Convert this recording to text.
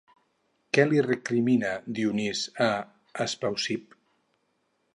Què li recrimina Dionís a Espeusip?